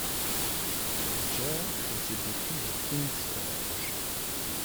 Ledger fait ses études au King's College.